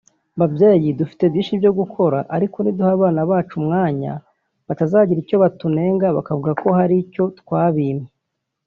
Babyeyi dufite byinshi byo gukora ariko niduhe abana umwanya batazagira icyo batunenga bakavuga ko hari icyo twabimye